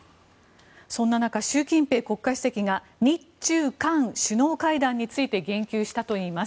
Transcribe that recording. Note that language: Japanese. そんな中習近平国家主席が日中韓首脳会談について言及したといいます。